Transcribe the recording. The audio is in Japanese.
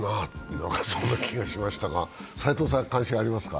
何かそんな気がしましたが、斎藤さん、関心ありますか？